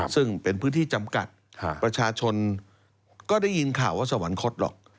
ซึ่งเป็นพื้นที่จำกัดประชาชนก็ได้ยินข่าวว่าสวรรคตหรอก